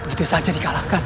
itu saja di kalahkan